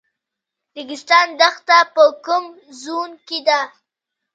ریګستان دښته په کوم زون کې ده؟